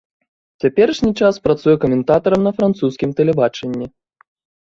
У цяперашні час працуе каментатарам на французскім тэлебачанні.